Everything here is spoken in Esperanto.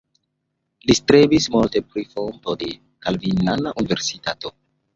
Li strebis multe pri fondo de kalvinana universitato.